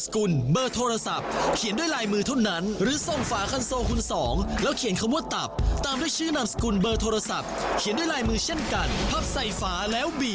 ก็ต้องไปดูสิว่ากติกาเป็นยังไง